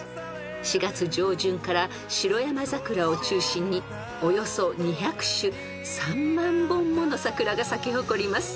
［４月上旬からシロヤマザクラを中心におよそ２００種３万本もの桜が咲き誇ります］